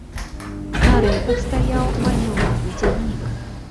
На рэйках стаяў манеўровы цягнік.